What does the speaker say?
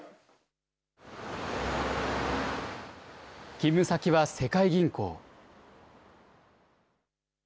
勤務先は世界銀行。